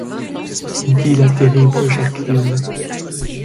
dit la terrible Jacqueline.